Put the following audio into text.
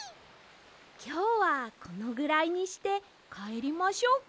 きょうはこのぐらいにしてかえりましょうか。